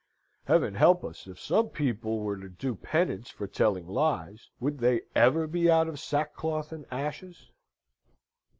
Heaven help us! if some people were to do penance for telling lies, would they ever be out of sackcloth and ashes?